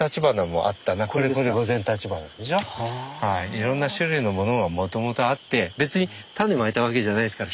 いろんな種類のものがもともとあって別に種まいたわけじゃないですから。